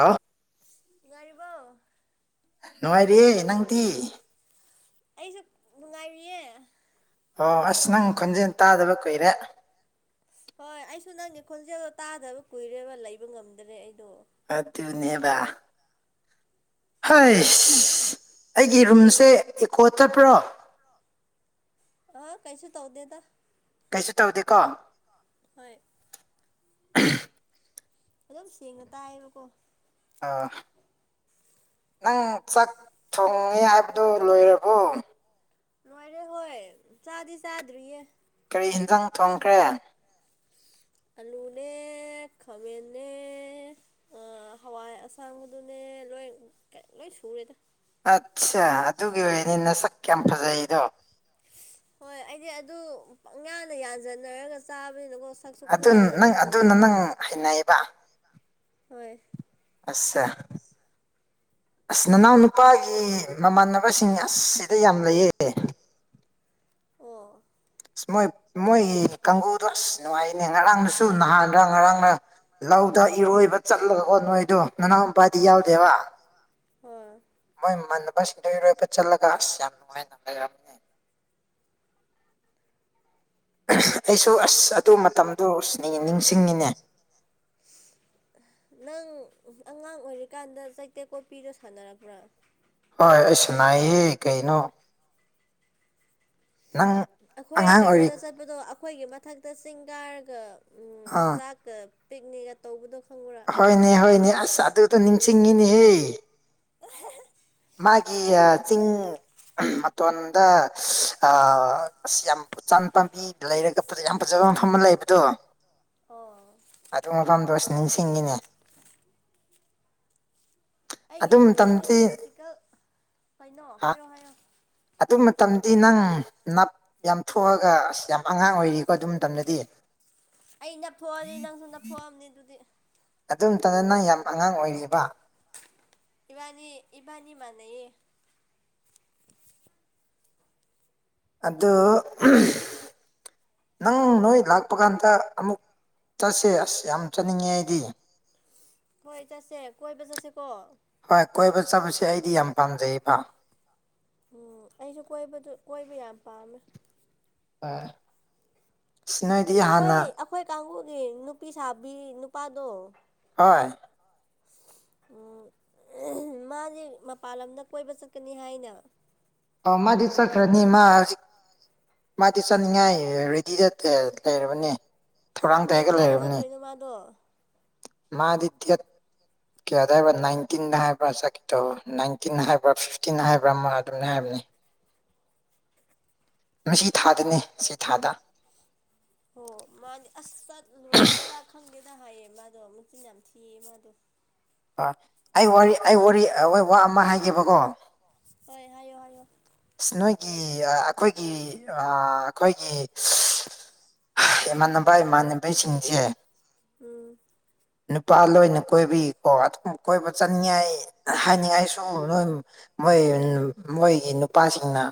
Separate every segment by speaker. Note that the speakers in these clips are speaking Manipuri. Speaker 1: ꯑꯥꯎ
Speaker 2: ꯉꯔꯤꯕ
Speaker 1: ꯥꯏꯔꯦ ꯅꯪꯗꯤꯤ
Speaker 2: ꯑꯩꯁꯨ ꯅꯨꯡꯉꯥꯏꯔꯤꯌꯦ
Speaker 1: ꯑꯣ ꯑꯁ ꯅꯪ ꯈꯣꯟꯖꯦꯜ ꯇꯥꯗꯕ ꯀꯨꯏꯔꯦ
Speaker 2: ꯍꯣꯏ ꯑꯩꯁꯨ ꯅꯪꯒꯤ ꯈꯣꯟꯖꯦꯜꯗꯣ ꯇꯥꯗꯕ ꯀꯨꯏꯔꯦꯕ ꯂꯩꯕ ꯉꯝꯗ꯭ꯔꯦ ꯑꯩ
Speaker 1: ꯇ ꯍꯣꯏ ꯑꯩꯒꯤ ꯔꯨꯝꯁꯦ ꯏꯀꯣ ꯆꯠꯄ꯭ꯔꯣ
Speaker 2: ꯑꯥ ꯀꯩꯁꯨ ꯇꯧꯗꯦꯗ
Speaker 1: ꯀꯩꯁꯨ ꯇꯧꯗꯦꯀꯣ
Speaker 2: ꯍꯣꯏ
Speaker 1: [inaudible]
Speaker 2: ꯑꯗꯨꯝ ꯁꯦꯡꯅ ꯇꯥꯏꯌꯦꯕꯀꯣ
Speaker 1: ꯑꯥ ꯅꯪ ꯆꯥꯛ ꯊꯣꯡꯉꯦ ꯍꯥꯏꯕꯗꯨ ꯂꯣꯏꯔꯕꯣ
Speaker 2: ꯂꯣꯏꯔꯦ ꯍꯣꯏ ꯆꯥꯗꯤ ꯆꯥꯗ꯭ꯔꯤꯌꯦ
Speaker 1: ꯑꯩ ꯌꯦꯟꯖꯥꯡ ꯊꯣꯡꯈ꯭ꯔꯦ
Speaker 2: ꯑꯂꯨꯅꯦ ꯈꯕꯦꯟꯅꯦꯦ ꯍꯋꯥꯏ ꯑꯁꯥꯡꯕꯗꯨꯅꯦ ꯂꯣꯏ ꯂꯣꯏ ꯁꯨꯔꯦꯗ
Speaker 1: ꯑꯠꯁꯥ ꯑꯗꯨꯒꯤ ꯑꯣꯏꯔꯗꯤ ꯅꯁꯛ ꯌꯥꯝ ꯐꯖꯩꯗꯣ
Speaker 2: ꯍꯣꯏ ꯑꯩꯗꯤ ꯑꯗꯨ ꯉꯥꯡꯅ ꯌꯥꯟꯁꯤꯟꯅꯔꯒ ꯆꯥꯕꯅꯤꯅꯀꯣ ꯁꯛꯁꯨ
Speaker 1: ꯑꯗꯨ
Speaker 2: ꯈꯔ
Speaker 1: ꯅꯪ
Speaker 2: ꯑꯗꯨꯝ ꯇꯧꯕꯅꯤ
Speaker 1: ꯑꯗꯨꯅ ꯅꯪ ꯍꯩꯅꯩꯌꯦꯕ
Speaker 2: ꯍꯣꯏ
Speaker 1: ꯑꯆꯥ ꯑꯁ ꯅꯅꯥꯎ ꯅꯨꯄꯥꯒꯤ ꯃꯃꯥꯟꯅꯕꯁꯤꯡ ꯑꯁ ꯁꯤꯗ ꯌꯥꯝ ꯂꯩꯑ [inaudible]
Speaker 2: ꯑꯣ
Speaker 1: ꯃꯣꯏ ꯃꯣꯏ ꯀꯥꯡꯒꯨꯗꯣ ꯑꯁ ꯅꯨꯡꯉꯥꯏꯅꯦ ꯉꯔꯥꯡꯗꯁꯨ ꯅꯍꯥꯟꯗ ꯉꯔꯥꯡꯅ ꯂꯧꯗ ꯏꯔꯣꯏꯕ ꯆꯠꯂꯒꯀꯣ ꯅꯣꯏꯗꯣ ꯅꯅꯥꯎ ꯅꯨꯄꯥꯗꯤ ꯌꯥꯎꯗꯦꯕ
Speaker 2: ꯑꯣ
Speaker 1: ꯃꯣꯏ ꯏꯃꯥꯟꯅꯕꯁꯤꯡꯗ ꯏꯔꯣꯏꯕ ꯆꯠꯂꯒ ꯑꯁ ꯌꯥꯝ ꯅꯨꯡꯉꯥꯏꯅ ꯂꯩꯔꯝꯃꯦ ꯑꯩꯁꯨ ꯑꯁ ꯑꯗꯨ ꯃꯇꯝꯗꯣ ꯅꯤꯡꯁꯤꯡꯉꯤꯅꯦ
Speaker 2: ꯅꯪ ꯑꯉꯥꯡ ꯑꯣꯏꯔꯤꯀꯥꯟꯗ ꯆꯩꯇꯦꯛ ꯀꯣꯄꯤꯗꯣ ꯁꯥꯟꯅꯔꯕ꯭ꯔꯥ
Speaker 1: ꯍꯣꯏ ꯑꯁꯤꯁꯅꯥꯏꯍꯦ ꯀꯩꯅꯣ ꯅꯪ
Speaker 2: ꯑꯩꯈꯣꯏ
Speaker 1: ꯑꯉꯥꯡ ꯑꯣꯏꯔꯤ
Speaker 2: ꯀꯩꯅꯣꯗ ꯆꯠꯄꯗꯣ ꯑꯩꯈꯣꯏꯒꯤ ꯃꯊꯛꯇ ꯆꯤꯡꯒꯥꯔꯒ ꯎꯝ
Speaker 1: ꯑꯥ
Speaker 2: ꯆꯥꯛꯀ ꯄꯤꯛꯅꯤꯒ ꯇꯧꯕꯗꯣ ꯈꯪꯕ꯭ꯔꯥ
Speaker 1: ꯍꯣꯏꯅꯦ ꯍꯣꯏꯅꯦ ꯑꯁ ꯑꯗꯨꯗꯣ ꯅꯤꯡꯁꯤꯡꯉꯤꯅꯦꯍꯦ
Speaker 2: ꯑ
Speaker 1: ꯃꯥꯒꯤ ꯆꯤꯡꯤꯡ ꯃꯇꯣꯟꯗ ꯌꯥꯝ ꯎꯆꯥꯟ ꯄꯥꯝꯕꯤ ꯂꯩꯔꯒ ꯌꯥꯝ ꯐꯖꯕ ꯑꯗꯨ ꯃꯐꯝ ꯑꯃ ꯂꯩꯕꯗꯣ
Speaker 2: ꯑꯣ
Speaker 1: ꯑꯗꯨ ꯃꯐꯝꯗꯣ ꯁꯤ ꯅꯤꯡꯁꯤꯡꯒꯤꯅꯦ [inaudible]
Speaker 2: ꯑꯩꯒꯤ ꯑꯩꯁꯦ ꯄ꯭ꯔꯦꯛꯇꯤꯀꯦꯜ ꯀꯩꯅꯣ
Speaker 1: ꯍꯥ
Speaker 2: ꯍꯥꯏꯌꫭ ꯍꯥꯏꯌꫭ
Speaker 1: ꯑꯗꯨ ꯃꯇꯝꯗꯤ ꯅꯪ ꯅꯞ ꯌꯥꯝ ꯊꯣꯛꯑꯒ ꯑꯁ ꯌꯥꯝ ꯑꯉꯥꯡ ꯑꯣꯏꯔꯤꯀꯣ ꯑꯗꯨ ꯃꯇꯝꯗꯗꯤ
Speaker 2: ꯑꯩꯅꯞ ꯊꫭꯛꯑꯗꯤ ꯅꯪꯁꯨꯅꯞ ꯊꫭꯛꯑꯝꯅꯤ ꯑꯗꯨꯗꯤ
Speaker 1: ꯑꯗꯨꯝꯇꯗꯅ ꯌꯥꯝ ꯑꯉꯥꯡ ꯑꯣꯏꯔꯤꯕ
Speaker 2: ꯏꯕꯥꯅꯤ ꯏꯕꯥꯅꯤ ꯃꯥꯅꯩꯌꯦ
Speaker 1: ꯑꯗꯨ ꯅꯪ ꯅꯣꯏ ꯂꯥꯛꯄ ꯀꯥꯟꯗ ꯑꯃꯨꯛ ꯆꯠꯁꯦ ꯑꯁ ꯌꯥꯝ ꯆꯠꯅꯤꯡꯉꯦ ꯑꯩꯗꯤ
Speaker 2: ꯍꯣꯏ ꯆꯠꯁꯦ ꯀꯣꯏ
Speaker 1: ꯍꯣꯏ ꯀꯣꯏꯕ ꯆꯥꯠꯄꯁꯦ ꯑꯩꯗꯤ ꯌꯥꯝ ꯄꯥꯝꯖꯩꯕ
Speaker 2: ꯎꯝ ꯑꯩꯁꯨ ꯀꯣꯏꯕꯗꯨ ꯀꯣꯏꯕ ꯌꯥꯝ ꯄꯥꯝꯃꯦ
Speaker 1: ꯑ ꯅꯣꯏꯗꯤ
Speaker 2: ꯑꯩꯈꯣꯏ
Speaker 1: ꯍꯥꯟꯅ
Speaker 2: ꯑꯩꯈꯣꯏ ꯀꯥꯡꯕꯨꯒꯤ ꯅꯨꯄꯤ ꯁꯥꯕꯤ ꯅꯨꯄꯥꯗꯣ
Speaker 1: ꯍꫭꯏ
Speaker 2: ꯎꯝ ꯃꯥꯁꯦ ꯃꯄꯥꯟ ꯂꯝꯗ ꯀꯣꯏꯕ ꯆꯠꯀꯅꯤ ꯍꯥꯏꯅ
Speaker 1: ꯑꫭꯃꯗꯤ ꯆꯠꯈ꯭ꯔꯅꯤ ꯃꯥ ꯍꯖꯤꯛ ꯃꯥꯗꯤ ꯆꯥꯠꯅꯤꯡꯉꯥꯏ ꯔꯦꯗꯤꯗ ꯂꯩꯔꯕꯅꯦ ꯊꯧꯔꯥꯡ
Speaker 2: ꯀꯩ
Speaker 1: ꯇꯧꯔꯒ
Speaker 2: ꯊꯥꯗ
Speaker 1: ꯂꯩꯔꯕꯅꯤ
Speaker 2: ꯆꯠꯇꯣꯏꯅꯣ ꯃꯥꯗꯣ
Speaker 1: ꯃꯥꯗꯤ ꯗꯦꯠ ꯀꯌꯥꯗ ꯍꯥꯏꯕ ꯅꯥꯏꯟꯇꯤꯟ ꯍꯥꯏꯕ꯭ꯔ ꯆꯠꯀꯦ ꯇ ꯅꯥꯏꯟꯇꯤꯟ ꯍꯥꯏꯕ꯭ꯔ ꯐꯤꯐꯇꯤꯟ ꯍꯥꯏꯕ꯭ꯔ ꯑꯃ ꯑꯗꯨꯝꯅ ꯍꯥꯏꯕꯅꯦ ꯉꯁꯤ ꯊꯥꯗꯅꯦ ꯁꯤ ꯊꯥꯗ
Speaker 2: ꯍꫭ ꯃꯥꯅꯤ ꯑꯁ ꯆꯠꯂꫭꯏꯒꯦꯔ ꯈꯪ ꯆꯦꯅ ꯍꯥꯏꯌꯦ ꯃꯥꯗꯣ ꯃꯆꯤꯟ ꯌꯥꯝ ꯊꯤꯌꯦ ꯃꯥꯗꯣ
Speaker 1: ꯑꯩ ꯋꯥꯔꯤ ꯑꯩ ꯋꯥꯔꯤ ꯋꯥ ꯑꯃ ꯍꯥꯏꯒꯦꯕꯀꯣ
Speaker 2: ꯍꫭꯏ ꯍꯥꯏꯌꯣ ꯍꯥꯏꯌꯣ
Speaker 1: ꯅꯣꯏꯒꯤ ꯑꯩꯈꯣꯏꯒꯤ ꯑ ꯑꯩꯈꯣꯏꯒꯤ ꯏꯃꯥꯟꯅꯕ ꯏꯃꯥꯟꯅꯕꯁꯤꯡꯁꯦ
Speaker 2: ꯎꯝ
Speaker 1: ꯅꯨꯄꯥ ꯂꯣꯏꯅ ꯀꯣꯏꯕꯒꯤꯀꯣ ꯑꯗꯨꯝ ꯀꯣꯏꯕ ꯆꯠꯅꯤꯡꯉꯥꯏ ꯍꯥꯏꯅꯤꯡꯉꯥꯏꯁꯨ ꯅꯣꯏ ꯃꯣꯏ ꯃꯣꯏꯒꯤ ꯅꯨꯄꯥꯁꯤꯡꯅ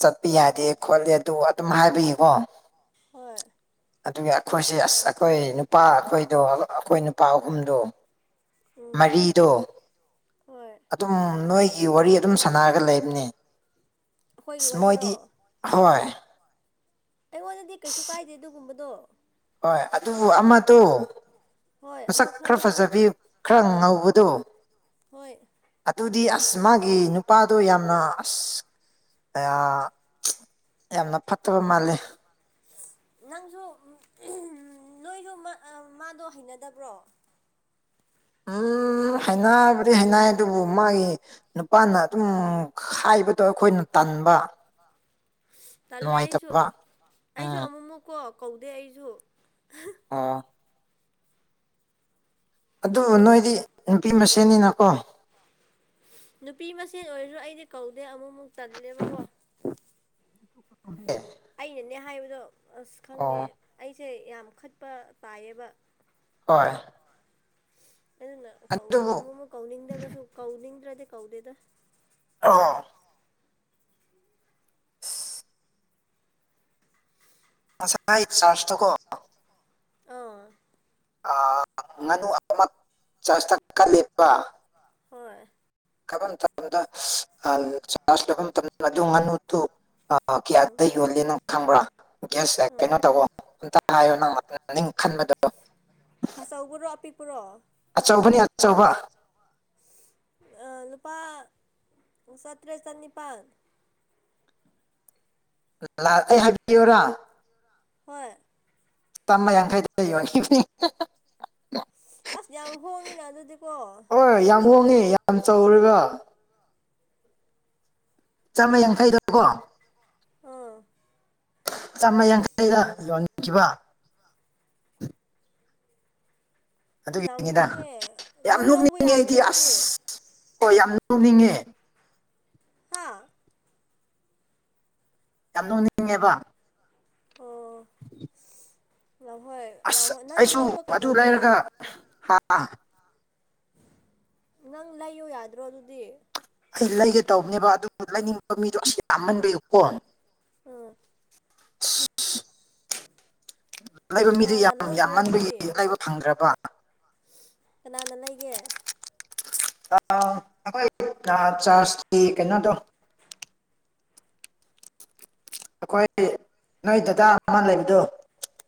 Speaker 1: ꯆꯠꯄ ꯌꯥꯗꯦ ꯈꯣꯠꯂꯦ ꯑꯗꯨ ꯑꯗꯨꯝ ꯍꯥꯏꯕꯒꯤꯀꯣ
Speaker 2: ꯍꯣꯏ
Speaker 1: ꯑꯗꯨꯒꯤ ꯑꯩꯈꯣꯏꯁꯦ ꯑꯁ ꯑꯩꯈꯣꯏ ꯅꯨꯄꯥ ꯑꯩꯈꯣꯏꯗꯣ ꯑꯩꯈꯣꯏ ꯅꯨꯄꯥ ꯑꯍꯨꯝꯗꯣ
Speaker 2: ꯎꯝ
Speaker 1: ꯃꯔꯤꯗꯣ
Speaker 2: ꯍꯣꯏ
Speaker 1: ꯑꯗꯨꯝ ꯅꯣꯏꯒꯤ ꯋꯥꯔꯤ ꯑꯗꯨꯝ ꯁꯥꯟꯅꯔꯒ ꯂꯩꯕꯅꯤ
Speaker 2: ꯑꯩꯈꯣꯏꯒꯤ
Speaker 1: ꯑꯁ ꯃꯣꯏꯗꯤ
Speaker 2: ꯋꯥꯔꯤꯔꯣ
Speaker 1: ꯍꯣꯏ
Speaker 2: ꯑꯩꯉꯣꯟꯗꯗꯤ ꯀꯩꯁꯨ ꯀꯥꯏꯗꯦ ꯑꯗꯨꯒꯨꯝꯕꯗꯣ
Speaker 1: ꯍꯣꯏ ꯑꯗꯨꯕꯨ ꯑꯃꯗꯣ
Speaker 2: ꯍꯣꯏ ꯑꯃ
Speaker 1: ꯃꯁꯛ ꯈꯔ
Speaker 2: ꯈꯪꯉꯦ ꯈꯪꯉꯦ
Speaker 1: ꯐꯖꯕꯤ ꯈꯔ ꯉꯧꯕ ꯑꯗꯣ
Speaker 2: ꯍꯣꯏ
Speaker 1: ꯑꯗꯨꯗꯤ ꯑꯁ ꯃꯥꯒꯤ ꯅꯨꯄꯥꯗꯣ ꯌꯥꯝꯅ ꯑꯁ ꯑ ꯌꯥꯝꯅ ꯐꯠꯇꯕ ꯃꯥꯜꯂꯤ
Speaker 2: ꯅꯪꯁꯨ ꯅꯣꯏꯁꯨ ꯃꯥꯗꯣ ꯍꯩꯅꯗꯕ꯭ꯔꯣ
Speaker 1: ꯎꯝ ꯍꯩꯅꯕꯗꯤ ꯍꯩꯅꯩ ꯑꯗꯨꯕꯨ ꯃꯥꯒꯤ ꯅꯨꯄꯥꯅ ꯑꯗꯨꯝ ꯍꯥꯏꯕꯗꯣ ꯑꯩꯈꯣꯏꯅ ꯇ ꯇꯟꯕ
Speaker 2: ꯇꯜꯂꯦ ꯑꯩꯁꯨ
Speaker 1: ꯅꯨꯡꯉꯥꯏꯇꯕ
Speaker 2: ꯑꯩꯁꯨ
Speaker 1: ꯎꯝ
Speaker 2: ꯑꯃꯨꯛꯃꯨꯛꯀꯣ ꯀꯧꯗꯦ ꯑꯩꯁꯨ
Speaker 1: ꯑꯥ ꯑꯗꯨꯕꯨ ꯅꯣꯏꯗꯤ ꯅꯨꯄꯤ ꯃꯁꯦꯟꯅꯤꯅꯀꯣ
Speaker 2: ꯅꯨꯄꯤ ꯃꯁꯦꯟ ꯑꯣꯏꯔꯁꯨ ꯑꯩꯗꯤ ꯀꯧꯗꯦ ꯑꯃꯨꯛꯃꯨꯛ ꯇꯜꯂꯦꯕꯀꯣ
Speaker 1: [inaudible]
Speaker 2: ꯑꯩꯅꯅꯦ ꯍꯥꯏꯕꯗꯣ ꯑꯁ ꯈꯪꯗꯦ
Speaker 1: ꯑꯣ
Speaker 2: ꯑꯩꯁꯦ ꯌꯥꯝ ꯈꯠꯄ ꯇꯥꯏꯌꯦꯕ
Speaker 1: ꯍꯣꯏ
Speaker 2: ꯑꯗꯨꯅ ꯀꯧ
Speaker 1: ꯑꯗꯨꯕꯨ
Speaker 2: ꯑꯃꯨꯛ ꯑꯃꯨꯛ ꯀꯧꯅꯤꯡꯗꯕꯁꯨ ꯀꯧꯅꯤꯡꯗ꯭ꯔꯗꯤ ꯀꯧꯗꯦꯗ
Speaker 1: ꯑꯥ ꯁꯥꯏ ꯆꯥꯔꯁꯇ ꯀꯣ
Speaker 2: ꯑꯥ
Speaker 1: ꯉꯥꯅꯨ ꯑꯃ ꯆꯇ ꯀ ꯂꯦꯄ
Speaker 2: ꯍꯣꯏ
Speaker 1: ꯀ ꯃꯇꯝꯗ ꯆ ꯃꯇꯝꯗ ꯑꯗꯨ ꯉꯅꯨ ꯑ
Speaker 2: ꯎꯝ
Speaker 1: ꯀꯌꯥꯇ ꯌꯣꯜꯂꯤꯅꯣ ꯈꯪꯕ꯭ꯔꯥ ꯒ꯭ꯌꯥꯁ
Speaker 2: ꯎꯝ
Speaker 1: ꯀꯩꯅꯣ ꯇꯧꯕꯣ ꯍꯥꯏꯌꯣ ꯅꯪꯥꯛꯇ ꯈꯟꯕꯗꯣ
Speaker 2: ꯑꯆꯧꯕ ꯄꯨꯨꯔꯣ ꯑꯄꯤꯛꯄꯨꯔꯣ
Speaker 1: ꯑꯆꯧꯕꯅꯤ ꯑꯆꯧꯕ
Speaker 2: ꯑ ꯂꯨꯄꯥ ꯁꯇ꯭ꯔꯦ ꯆꯅꯤꯄꯥꯜ
Speaker 1: ꯑꯩ ꯍꯥꯏꯕꯤꯌꯣꯔꯥ
Speaker 2: ꯍꯣꯏ
Speaker 1: ꯆ ꯃꯌꯥꯈꯩꯗ ꯂꯩ
Speaker 2: ꯑꯁ ꯌꯥꯝ ꯍꯣꯡꯉꯤꯅ ꯑꯗꯨꯗꯤꯀꯣ
Speaker 1: ꯍꯣꯏ ꯌꯥꯝ ꯍꯣꯡꯉꯦ ꯌꯥꯝ ꯆꯥꯎꯔꯒ ꯆꯥꯃ ꯌꯥꯡꯈꯩꯗꯀꯣ
Speaker 2: ꯑꯥ
Speaker 1: ꯆꯥꯝꯃ ꯌꯥꯡꯈꯩꯗ ꯌꯣꯟꯅꯤꯡꯈꯤꯕ
Speaker 2: ꯑꯁ ꯌꯥꯝ
Speaker 1: ꯑꯗꯨꯒꯤꯅꯤꯗ
Speaker 2: ꯍꯣꯡꯉꯦ
Speaker 1: ꯌꯥꯝ
Speaker 2: ꯅꯪ ꯂꯧꯕ
Speaker 1: ꯅꯣꯛꯅꯤꯡꯉꯤ
Speaker 2: ꯌꯥꯗ꯭ꯔꯣ
Speaker 1: ꯑꯩꯗꯤ
Speaker 2: ꯑꯗꯨꯗꯤ
Speaker 1: ꯑꯁ ꯍꯣꯏ ꯌꯥꯝ ꯇꯉꯉ
Speaker 2: ꯍꯥ
Speaker 1: ꯌꯥꯝ ꯅꯨꯅꯤꯡꯉꯦꯕ
Speaker 2: ꯑꯣ ꯌꯥꯝ ꯍꯣꯏ ꯌꯥꯝ
Speaker 1: ꯑꯁ
Speaker 2: ꯍꯣꯏ ꯅꯪ
Speaker 1: ꯑꯩꯁꯨ
Speaker 2: ꯂꯧꯕ
Speaker 1: ꯑꯗꯨ ꯂꯩꯔꯒ
Speaker 2: ꯀꯩꯗꯧꯒꯦ
Speaker 1: ꯍꯥ
Speaker 2: ꯅꯪ ꯂꯩꯌꯣ ꯌꯥꯗ꯭ꯔꯣ ꯑꯗꯨꯗꯤ
Speaker 1: ꯑꯩ ꯂꯩꯒꯦ ꯇꯧꯕꯅꯦꯕ ꯑꯗꯨ ꯂꯩꯅꯤꯡꯕ ꯃꯤꯗꯣ ꯑꯁ ꯌꯥꯝꯃꯟꯕꯌꯨꯀꯣ
Speaker 2: ꯎꯝ
Speaker 1: [unintelligible] ꯂꯥꯏꯕ ꯃꯤꯗꯨ
Speaker 2: ꯀꯅꯥꯅ
Speaker 1: ꯌꯥꯝ ꯌꯥꯝ
Speaker 2: ꯂꯧꯈ꯭ꯔꯦ
Speaker 1: ꯉꯟꯕꯒꯤ
Speaker 2: ꯑꯗꯨꯗꯤ
Speaker 1: ꯂꯥꯏꯕ ꯐꯪꯗ꯭ꯔꯕ
Speaker 2: ꯀꯅꯥꯅ ꯂꯩꯒꯦ
Speaker 1: ꯑꯩꯣꯏ ꯆꯥꯔꯖꯇ ꯀꯩꯅꯣ ꯇꯧ ꯑꯩꯈꯣꯏ ꯅꯣꯏ ꯗꯗꯥ ꯑꯃ ꯂꯩꯕꯗꯣ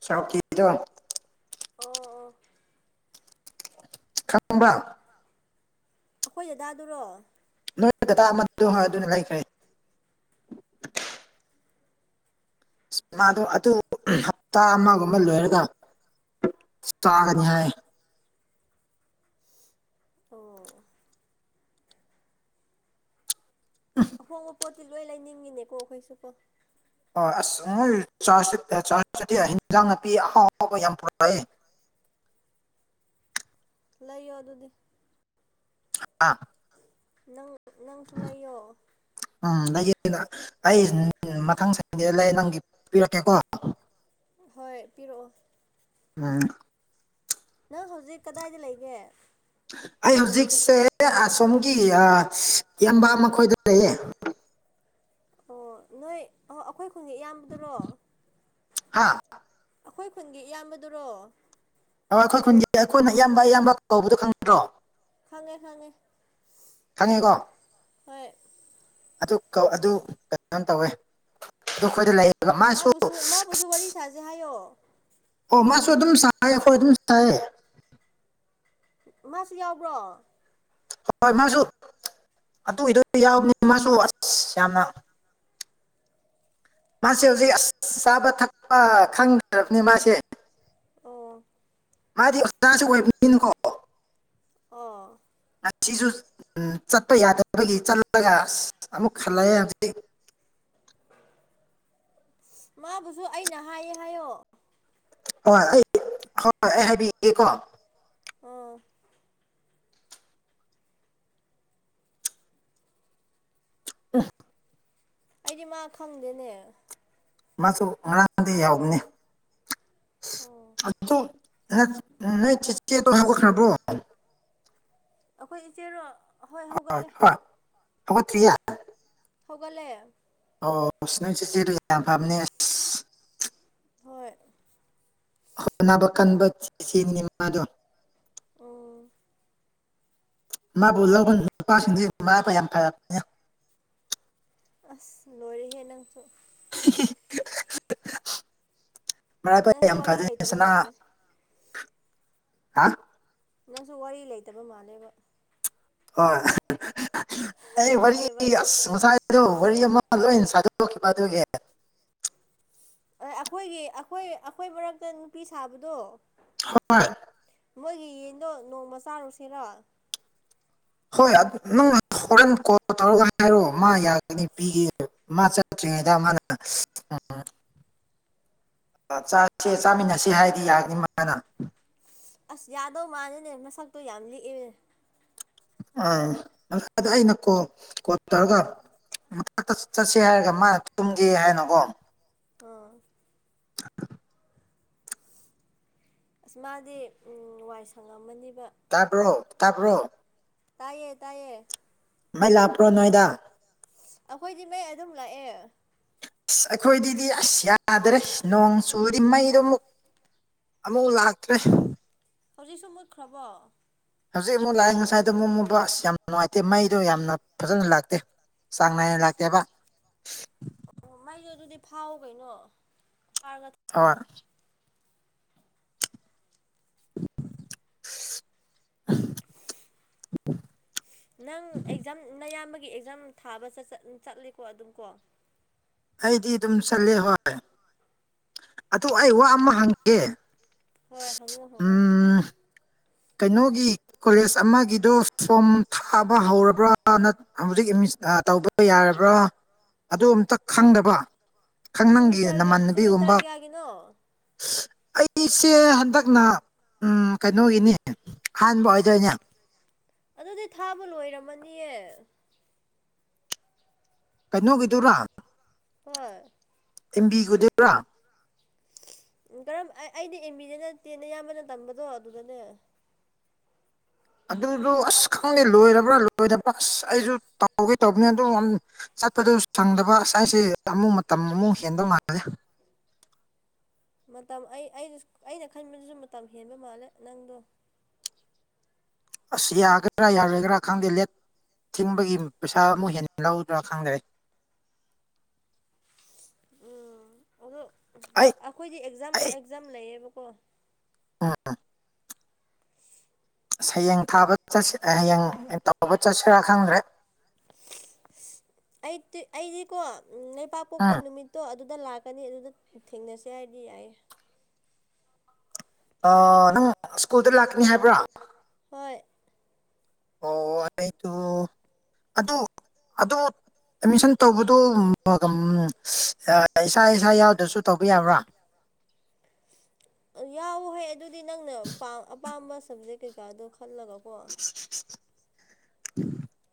Speaker 1: ꯁꯔꯀꯤꯗꯣ
Speaker 2: ꯑꯩꯈꯣꯏ
Speaker 1: ꯈꯪꯕ
Speaker 2: ꯑꯩꯈꯣꯏ ꯑꯖꯗꯥꯗꯨꯔꯣ
Speaker 1: ꯅꯣꯏ ꯗꯗꯥ ꯑꯃꯗ ꯑꯗꯨꯅ ꯂꯩꯈ꯭ꯔꯦ ꯃꯗꯣ ꯑꯗꯨ ꯍꯞꯇꯥ ꯑꯃꯒꯨꯝꯕ ꯂꯣꯏꯔꯒ ꯁꯥꯒꯅꯤꯏ
Speaker 2: ꯑꯣ ꯑꯍꯣꯡꯕ ꯄꯣꯠꯇꯤ ꯂꯣꯏ ꯂꯩꯅꯤꯡꯉꯤꯅꯦꯀꯣ ꯑꯩꯈꯣꯏꯁꯨꯀꯣ
Speaker 1: ꯍꯣꯏ ꯑꯁ ꯅꯣꯏ ꯆꯥꯔ ꯆꯥꯔꯖ ꯆꯗꯤ ꯍꯟꯖꯥꯡ ꯅꯥꯄꯤ ꯑꯍꯥꯎ ꯑꯍꯥꯎꯕ ꯌꯥꯝ ꯄꯨꯔꯛꯑꯦ [unintelligible]
Speaker 2: ꯂꯩꯌꯣ ꯑꯗꯨꯗꯤ
Speaker 1: ꯑꯥ
Speaker 2: ꯅꯪ ꯅꯪꯁꯨ ꯂꯩꯌꯣ
Speaker 1: ꯎꯝ ꯑꯩ ꯎꯝ ꯃꯊꯪ ꯁꯥꯏꯗꯗ ꯂꯩ ꯅꯪꯒꯤ ꯄꯤꯔꯛꯀꯦꯀꯣ
Speaker 2: ꯍꯣꯏ ꯄꯤꯔꯛꯑꯣ
Speaker 1: ꯑ
Speaker 2: ꯅꯪ ꯍꯧꯖꯤꯛ ꯀꯗꯥꯏꯗ ꯂꯩꯒꯦ
Speaker 1: ꯑꯩ ꯍꯧꯖꯤꯛꯁꯦ ꯑꯁꯣꯝꯒꯤ ꯌꯕꯥ ꯃꯈꯣꯏꯗ ꯂꯩꯌꯦ [unintelligible]
Speaker 2: ꯑꯣ ꯅꯣꯏ ꯑꯩꯈꯣꯏ ꯈꯨꯡꯒꯤ ꯏꯌꯥꯝꯕꯗꯨꯔꯣ
Speaker 1: ꯍꯥ
Speaker 2: ꯑꯩꯈꯣꯏ ꯈꯨꯟꯒꯤ ꯏꯌꯥꯝꯕꯗꯨꯔꯣ
Speaker 1: ꯑꯣ ꯑꯩꯈꯣꯏ ꯈꯨꯟꯒꯤ ꯑꯩꯈꯣꯏꯅ ꯑꯌꯥꯝꯕ ꯑꯌꯥꯝꯕ ꯀꯧꯕꯗꯣ ꯈꯪꯗ꯭ꯔꯣ
Speaker 2: ꯈꯪꯉꯦ ꯈꯪꯉꯦ
Speaker 1: ꯈꯪꯉꯦꯀꯣ
Speaker 2: ꯍꯣꯏ
Speaker 1: ꯑꯗꯨ ꯀꯧ ꯑꯗꯨ ꯀꯩꯅꯣꯝ ꯇꯧꯋꯦ ꯑꯗꯨ ꯑꯩꯈꯣꯏꯗ ꯂꯩ
Speaker 2: ꯃꯥꯕꯨꯁꯨ ꯃꯥꯕꯨꯁꯨ ꯋꯥꯔꯤ ꯁꯥꯥꯁꯦ ꯍꯥꯏꯌꯣ
Speaker 1: ꯑꯣ ꯃꯥꯁꯨ ꯑꯗꯨꯝ ꯁꯥꯏꯌꯦ ꯍꯣꯏ ꯑꯗꯨꯝ ꯁꯌꯦ
Speaker 2: ꯃꯥꯁꯨ ꯌꯥꯎꯕ꯭ꯔꯣ
Speaker 1: ꯍꯣꯏꯣꯏ ꯃꯥꯁꯨ ꯑꯗꯨꯏꯗꯣꯏ ꯌꯥꯎꯕꯅꯤ ꯃꯥꯁꯨ ꯑꯁ ꯌꯥꯝꯅ ꯃꯥꯁꯦ ꯍꯧꯖꯤꯛ ꯑꯁ ꯆꯥꯕ ꯊꯛꯄ ꯈꯪꯗ꯭ꯔꯕꯅꯤ ꯃꯥꯁꯦ
Speaker 2: ꯑꯣ
Speaker 1: ꯃꯥꯗꯤꯁꯨꯀꯣ
Speaker 2: ꯑꯣ
Speaker 1: ꯑꯁꯤꯁꯨ ꯆꯠꯄ ꯌꯥꯗꯕꯒꯤ ꯆꯠꯂꯒ ꯑꯃꯨꯛ ꯍꯜꯂꯛꯑꯦ ꯍꯧꯖꯤꯛ
Speaker 2: ꯃꯥꯕꯨꯁꯨ ꯑꯩꯅ ꯍꯥꯏꯌꯦ ꯍꯥꯏꯌꯣ
Speaker 1: ꯍꯣꯏ ꯑꯩ ꯍꯣꯏꯣꯏ ꯑꯩ ꯍꯥꯏꯕꯤꯒꯦꯀꯣ
Speaker 2: ꯑꯣ
Speaker 1: ꯑ
Speaker 2: ꯑꯩꯗꯤ ꯃꯥ ꯈꯪꯗꯦꯅꯦ
Speaker 1: ꯃꯥꯁꯨ ꯉꯔꯥꯡꯗꯤ ꯌꯥꯎꯕꯅꯤ
Speaker 2: ꯑꯣ
Speaker 1: ꯅ ꯆ ꯆꯦ ꯇ ꯍ ꯀ ꯈꯅꯔꯕ꯭ꯔꯣ
Speaker 2: ꯑꯩꯈꯣꯏ ꯏꯆꯦꯔꯣ ꯍꯣꯏ ꯍꯧꯒꯠꯂꯦ
Speaker 1: ꯍ ꯍꯣꯏ ꯊꯔꯤ
Speaker 2: ꯍꯧꯒꯂꯦ
Speaker 1: ꯑꯣ ꯁꯤ ꯅꯪꯁꯤ ꯆꯔꯤ ꯂ ꯐꯝꯅꯦꯁ
Speaker 2: ꯍꯣꯏ
Speaker 1: ꯍꯣꯠꯅꯕ ꯀꯟꯕ ꯁꯤꯅꯤꯃꯥꯗꯣ
Speaker 2: ꯎꯝ
Speaker 1: ꯃꯥꯕꯨ ꯂꯧꯕ ꯅꯨꯄꯥꯁꯤꯡꯗ ꯃꯥꯥ ꯐ ꯌꯥꯝ ꯐꯔꯕꯅꯦ
Speaker 2: ꯑꯁ ꯂꯣꯏꯔꯦꯍꯦ ꯅꯪꯁꯨ
Speaker 1: ꯃ ꯀ
Speaker 2: ꯅꯪꯁꯦ
Speaker 1: ꯌꯥꯝ
Speaker 2: ꯋꯥꯔꯤ ꯂꯩꯇꯕ
Speaker 1: ꯈꯗꯁꯅꯥ
Speaker 2: ꯃꯥꯜꯂꯦ
Speaker 1: ꯍꯥ
Speaker 2: ꯅꯪꯁꯨ ꯋꯥꯔꯤ ꯂꯩꯇꯕ ꯃꯥꯜꯂꯦꯕ
Speaker 1: ꯍꯣꯏ ꯑꯩ ꯋꯥꯔꯤ
Speaker 2: ꯈꯪꯉꯦꯕ ꯑꯩꯗꯣ
Speaker 1: ꯑꯁ ꯉꯁꯥꯏꯗꯣ ꯋꯥꯔꯤ ꯑꯃ [unintelligible]
Speaker 2: ꯑꯩꯈꯣꯏꯒꯤ ꯑꯩꯈꯣꯏ ꯑꯩꯈꯣꯏ ꯃꯔꯛꯇ ꯅꯨꯄꯤ ꯁꯥꯕꯗꯣ
Speaker 1: ꯍꯣꯏ
Speaker 2: ꯃꯣꯏꯒꯤ ꯌꯦꯟꯗꯣ ꯅꯣꯡꯃ ꯆꯥꯔꯨꯁꯤꯔꯣ
Speaker 1: ꯍꯣꯏ ꯅꯪ ꯍꯣꯔꯦꯟ ꯀꯣ ꯇꯧꯔꯒ ꯍꯥꯏꯔꯣꯑꯣ ꯃꯥ ꯌꯥꯒꯅꯤ ꯄꯤꯈꯤ ꯃꯥ ꯆꯠꯇ꯭ꯔꯤꯉꯩꯗ ꯃꯥꯅ ꯎꯝ ꯆꯦ ꯆꯥꯃꯤꯟꯅꯁꯦ ꯍꯥꯏꯗꯤ ꯌꯥꯅꯤ ꯃꯥꯅ
Speaker 2: ꯑꯁ ꯌꯥꯗꯧ ꯃꯥꯜꯂꯅꯦ ꯃꯁꯛꯇꯣ ꯌꯥꯝ ꯂꯤꯛꯑꯦ
Speaker 1: ꯑꯥ ꯑꯩꯅ ꯀꯣ ꯀꯣ ꯇꯔꯒ ꯃꯊꯛꯇ ꯆꯠꯁꯦ ꯍꯥꯏꯔꯒ ꯃꯥꯅ ꯆꯨꯝꯒꯦ ꯍꯥꯏꯅꯀꯣ
Speaker 2: ꯑꯣ ꯑꯁ ꯃꯥꯗꯤ ꯎꯝ ꯋꯥꯏ ꯁꯪꯉꯝꯃꯅꯤ
Speaker 1: ꯇꯕ꯭ꯔꯣ ꯇꯥꯕ꯭ꯔꯣ
Speaker 2: ꯇꯥꯏꯌꯦ ꯇꯥꯏꯌꯦ
Speaker 1: ꯃꯥꯏ ꯂꯥꯛꯄ꯭ꯔꯣ ꯅꯣꯏꯗ
Speaker 2: ꯑꯩꯈꯣꯏꯗꯤ ꯃꯩ ꯑꯗꯨꯝ ꯂꯥꯛꯑꯦ
Speaker 1: ꯑꯁ ꯑꯩꯈꯣꯏꯗꯤꯗꯤ ꯑꯁ ꯌꯥꯗ꯭ꯔꯦ ꯅꯣꯡ ꯆꯨꯔꯤ ꯃꯩꯗꯣ ꯑꯃꯨꯛ ꯑꯃꯨꯛ ꯂꯥꯛꯇ꯭ꯔꯦ
Speaker 2: ꯍꯧꯖꯤꯛꯁꯨ ꯃꯨꯠꯈ꯭ꯔꯕꯣ
Speaker 1: ꯍꯧꯖꯤꯛ ꯑꯃꯨꯛ ꯂꯥꯛꯑꯦ ꯉꯁꯥꯏꯗ ꯑꯃꯨꯛ ꯃꯨꯕ ꯑꯁ ꯌꯥꯝ ꯅꯨꯡꯉꯥꯏꯇꯦ ꯃꯩꯗꯣ ꯌꯥꯝꯅ ꯐꯖꯅ ꯂꯥꯛꯇꯦ ꯆꯥꯡ ꯅꯥꯏꯅ ꯂꯥꯛꯇꯦꯕ
Speaker 2: ꯑꯩꯗꯣ ꯑꯗꯨꯗꯤ ꯐꯥꯎꯑꯣ ꯀꯩꯅꯣ ꯐꯥꯔꯒ ꯊꯝꯃꯣ
Speaker 1: [unintelligible] [unintelligible] [inaudible]
Speaker 2: ꯅꯪ ꯑꯦꯛꯖꯥꯝ ꯅꯌꯥꯝꯕꯒꯤ ꯑꯦꯛꯖꯥꯝ ꯊꯥꯕ ꯆꯠꯂꯦꯀꯣ ꯑꯗꯨꯝ ꯀꯣ
Speaker 1: ꯑꯩꯗꯤ ꯑꯗꯨꯝ ꯆꯠꯂꯦ ꯍꯣꯏ ꯑꯗꯨ ꯑꯩ ꯋꯥ ꯑꯃ ꯍꯪꯒꯦ
Speaker 2: ꯍꯣꯏ ꯍꯪꯉꯣ ꯍꯪꯉꯣ
Speaker 1: ꯎꯝ ꯀꯩꯅꯣꯒꯤ ꯀꯣꯂꯦꯖ ꯑꯃꯒꯤꯗꯣ ꯐꯣꯝ ꯊꯥꯕ ꯍꯧꯔꯕ꯭ꯔꯥ ꯅ ꯍꯧꯖꯤꯛ ꯇꯧꯕ ꯌꯥꯔꯕ꯭ꯔꯥ ꯑꯗꯨ ꯑꯝꯇ ꯈꯪꯗꯕ ꯈꯪ ꯅꯪꯒꯤ
Speaker 2: ꯁꯤꯃꯤꯁꯇꯔꯒꯤ ꯁꯤꯃꯤꯁꯇꯔ
Speaker 1: ꯅꯃꯥꯟꯅꯕꯤꯒꯨꯝꯕ
Speaker 2: ꯀꯌꯥꯒꯤꯅꯣ
Speaker 1: ꯑꯩꯒꯤꯁꯦ ꯍꯟꯗꯛꯅ ꯎ ꯀꯩꯅꯣꯒꯤꯅꯦ ꯑꯍꯥꯟꯕ ꯑꯣꯏꯗꯣꯏꯅꯦ
Speaker 2: ꯑꯗꯨꯗꯤ ꯊꯥꯕ ꯂꯣꯏꯔꯝꯃꯅꯤꯌꯦ
Speaker 1: ꯀꯩꯅꯣ ꯀꯩꯗꯧꯔꯥ
Speaker 2: ꯍꯣꯏ
Speaker 1: ꯀꯨꯝꯕꯤꯒꯤꯗꯨꯔꯥ
Speaker 2: ꯀꯔꯝ ꯑꯩꯗꯤ ꯑꯦꯝꯕꯤꯗꯅ ꯇꯦꯟꯅ ꯑꯌꯥꯝꯕꯅ ꯇꯝꯕꯗꯣ ꯑꯗꯨꯗꯅꯦ
Speaker 1: ꯑꯗꯨꯗꯨ ꯑꯁ ꯈꯪꯗꯦ ꯂꯣꯏꯔꯕ꯭ꯔꯥ ꯂꯣꯏꯗꯕ꯭ꯔꯥ ꯑꯁ ꯑꯩꯁꯨ ꯇꯧꯒꯦ ꯇꯧꯕꯅꯤ ꯑꯗꯨ ꯆꯠꯄꯗꯨ ꯁꯪꯗꯕ ꯉꯁꯥꯏꯁꯦ ꯑꯃꯨꯛ ꯃꯇꯝ ꯑꯃꯨꯛ ꯍꯦꯟꯕꯧ ꯃꯥꯦ
Speaker 2: ꯃꯇꯝ ꯑꯩ ꯑꯩꯅ ꯈꯟꯕꯗꯨꯁꯨ ꯃꯇꯝ ꯍꯦꯟꯕ ꯃꯥꯜꯂꯦ ꯅꯪꯗꯣ
Speaker 1: ꯑꯁ ꯌꯥꯒꯦꯔꯥ ꯌꯥꯔꯣꯏꯒꯦꯔꯥ ꯈꯪꯗꯦ ꯂꯦꯠ ꯊꯤꯡꯕꯒꯤ ꯄꯩꯁꯥ ꯑꯃꯨꯛ ꯍꯦꯟꯅ ꯂꯧꯗ꯭ꯔꯥ ꯈꯪꯗꯔꯦ
Speaker 2: ꯎꯝ ꯑꯗꯣ
Speaker 1: ꯑꯩ
Speaker 2: ꯑꯩꯈꯣꯏꯗꯤ ꯑꯦꯛꯖꯥꯝ
Speaker 1: ꯑꯩ
Speaker 2: ꯑꯦꯛꯖꯥꯝ ꯂꯩꯌꯦꯕꯀꯣ
Speaker 1: [unintelligible] ꯍꯌꯦꯡ ꯊꯥꯕ ꯆꯠ ꯍꯌꯦꯡ ꯇꯧꯕ ꯆꯠꯁꯤꯔꯥ ꯈꯪꯗ꯭ꯔꯦ [unintelligible]
Speaker 2: ꯑꯩ ꯑꯩꯗꯤꯀꯣ ꯂꯩꯄꯥꯛ ꯄꯣꯛꯄ
Speaker 1: ꯎꯝ
Speaker 2: ꯅꯨꯃꯤꯠꯇꯣ ꯑꯗꯨ ꯑꯗꯨ ꯗ ꯂꯥꯛꯀꯅꯤ ꯑꯗꯨꯗ ꯊꯦꯡꯅꯁꯦ ꯍꯥꯏꯔꯗꯤ ꯌꯥꯏꯌꯦ
Speaker 1: ꯑ ꯅꯪ ꯁ꯭ꯀꯨꯜꯗ ꯂꯥꯛꯀꯅꯤ ꯍꯥꯏꯕ꯭ꯔꯥ
Speaker 2: ꯍꯣꯏ
Speaker 1: ꯑꯣ ꯑꯩꯣ ꯑꯗꯨ ꯑꯗꯨ ꯑꯦꯠꯃꯤꯁꯟ ꯇꯧꯕꯗꯨ ꯏꯁꯥ ꯏꯁꯥ ꯌꯥꯎꯗ꯭ꯔꯁꯨ ꯇꯧꯕ ꯌꯥꯕ꯭ꯔꯥ [unintelligible]
Speaker 2: ꯌꯥꯎꯋ ꯍ ꯑꯗꯨꯗꯤ ꯅꯪꯅ ꯑꯄꯥꯝꯕ ꯁꯕꯖꯦꯛ ꯀꯩꯀꯥꯗꯣ ꯈꯜꯂꯒꯀꯣ
Speaker 1: [unintelligible]